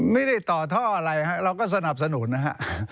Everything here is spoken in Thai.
ไม่ได้ต่อท่ออะไรฮะเราก็สนับสนุนนะฮะ